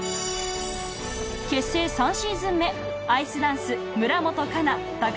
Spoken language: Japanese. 結成３シーズン目アイスダンス村元哉中